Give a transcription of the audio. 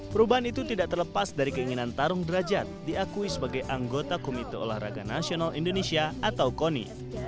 perubahan itu tidak terlepas dari keinginan tarung derajat diakui sebagai anggota komite olahraga nasional indonesia atau koni